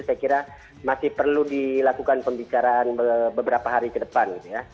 saya kira masih perlu dilakukan pembicaraan beberapa hari ke depan